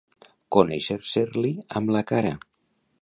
Conèixer-se-li amb la cara.